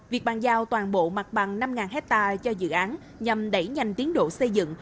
việc bàn giao toàn bộ mặt bằng năm hectare cho dự án nhằm đẩy nhanh tiến độ xây dựng